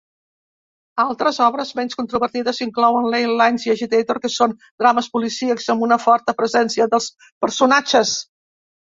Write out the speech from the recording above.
Altres obres menys controvertides inclouen "Ley Lines" i "Agitator", que són drames policíacs amb una forta presència dels personatges.